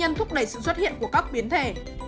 có thể giúp đỡ các kháng thể